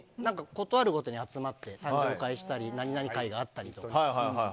ことあるごとに集まって誕生日会をしたり何々会があったりとか。